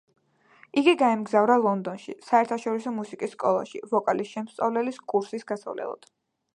იგი გაემგზავრა ლონდონში, საერთაშორისო მუსიკის სკოლაში, ვოკალის შემსწავლელი კურსის გასავლელად.